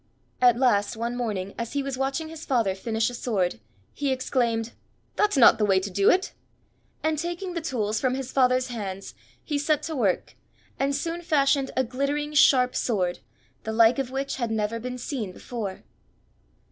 At last one morning as he was watching his father finish a sword, he exclaimed: "That's not the way to do it!" And taking the tools from his father's hands, he set to work, and soon fashioned a glittering sharp sword, the like of which had never been seen before.